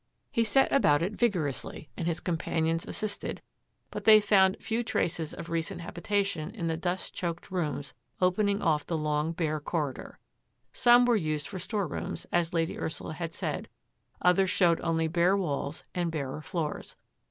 '' He set about it vigorously and his companions assisted, but they found few traces of recent habi tation in the dust choked rooms opening off the long, bfire corridor. Some were used for store rooms, as Lady Ursula had said, others showed only bare walls and barer floors.